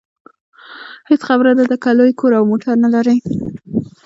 هېڅ خبره نه ده که لوی کور او موټر نلرئ.